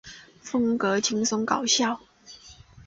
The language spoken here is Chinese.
风格轻松搞笑。